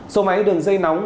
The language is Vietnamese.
số máy đường dây nóng